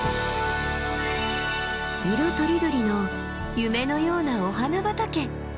色とりどりの夢のようなお花畑。